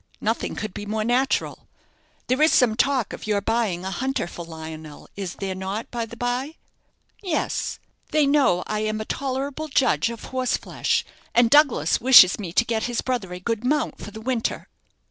"Nothing could be more natural. There is some talk of your buying a hunter for Lionel, is there not, by the bye?" "Yes. They know I am a tolerable judge of horseflesh, and Douglas wishes me to get his brother a good mount for the winter."